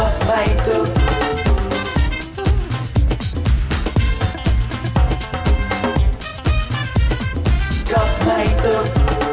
กับไม้ตุก